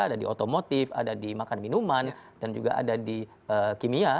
ada di otomotif ada di makan minuman dan juga ada di kimia